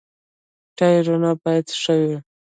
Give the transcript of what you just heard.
ټایرونه باید ښه وي.